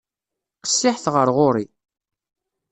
Qessiḥet ɣer ɣur-i.